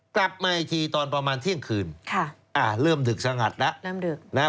กลับมาอีกทีตอนประมาณเที่ยงคืนเริ่มดึกสงัดแล้ว